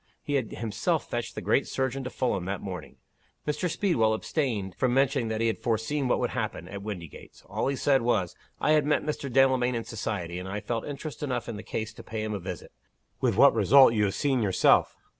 He had himself fetched the great surgeon to Fulham, that morning. Mr. Speedwell abstained from mentioning that he had foreseen what would happen, at Windygates. All he said was, 'I had met Mr. Delamayn in society, and I felt interest enough in the case to pay him a visit with what result, you have seen yourself.